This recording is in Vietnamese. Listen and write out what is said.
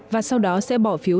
và sau đó sẽ bỏ phiếu